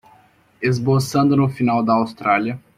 Esboçando no final da Austrália